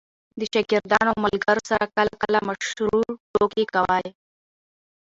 د شاګردانو او ملګرو سره کله – کله مشروع ټوکي کوئ!